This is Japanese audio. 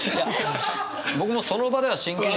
僕もその場では真剣。